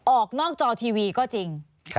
ออกนอกจอทีวีก็จริง